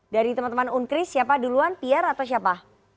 dari teman teman unkris siapa duluan pier atau siapa